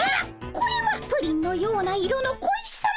これはプリンのような色の小石さま！